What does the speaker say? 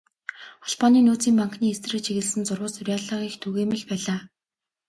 Холбооны нөөцийн банкны эсрэг чиглэсэн зурвас, уриалга их түгээмэл байлаа.